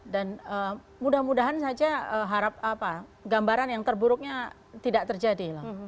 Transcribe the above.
dan mudah mudahan saja harap gambaran yang terburuknya tidak terjadi